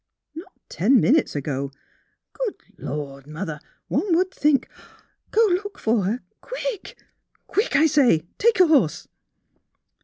"'' Not ten minutes ago. Good Lord! Mother, one would think "" Go look for her, quick — quick, I say! Take your horse."